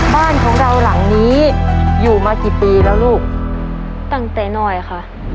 บ้านของเราหลังนี้อยู่มากี่ปีแล้วลูกตั้งแต่น้อยค่ะ